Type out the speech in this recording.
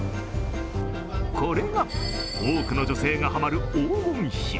これが多くの女性がハマる黄金比。